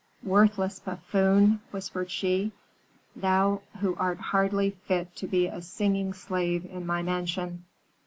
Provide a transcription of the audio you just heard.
"Worthless buffoon!" whispered she; "thou who art hardly fit to be a singing slave in my mansion."